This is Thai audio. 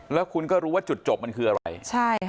แล้วคุณก็รู้ว่าจุดจบมันคืออะไรใช่ค่ะ